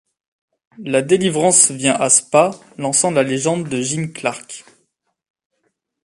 La délivrance vient à Spa, lançant la légende de Jim Clark.